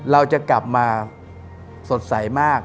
เราจะกลับมาสดใสมาก